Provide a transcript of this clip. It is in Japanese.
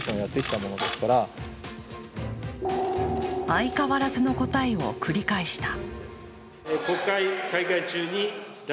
相変わらずの答えを繰り返した。